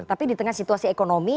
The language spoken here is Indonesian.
tapi di tengah situasi ekonomi